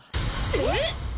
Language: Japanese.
えっ⁉